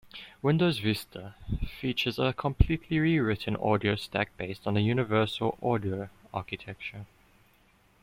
Windows Vista features a completely re-written audio stack based on the "Universal Audio Architecture".